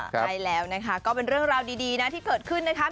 ใช่แล้วนะคะก็เป็นเรื่องราวดีนะที่เกิดขึ้นนะคะ